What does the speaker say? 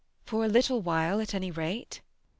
For a little while at any rate. MRS.